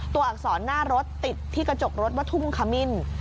อักษรหน้ารถติดที่กระจกรถว่าทุ่งขมิ้น